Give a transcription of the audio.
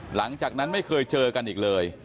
หลังจากนั้นไม่เคยเจอกันอีกเลย